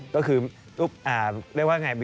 ก็คือรูปว่าอย่างงัย